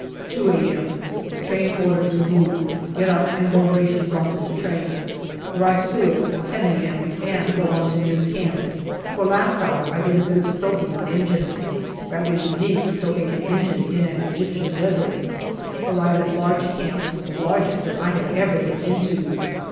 2 a.m. Train ordered to move. Get up and load rations on to the train. Arrive Suez 10 a.m., and go on to New Camp. For last hour I did a bit of stoking on engine. Rather unique, stoking an engine in an Egyptian desert. Arrive at a large camp, the largest that I have ever been into.